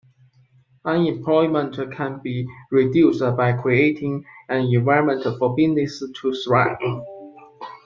Unemployment can be reduced by creating an environment for businesses to thrive.